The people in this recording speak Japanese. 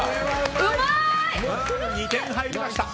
２点入りました。